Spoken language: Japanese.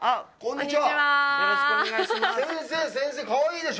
よろしくお願いします